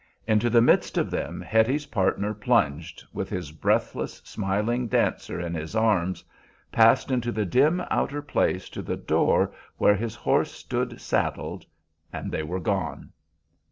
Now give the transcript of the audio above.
Into the midst of them Hetty's partner plunged, with his breathless, smiling dancer in his arms, passed into the dim outer place to the door where his horse stood saddled, and they were gone.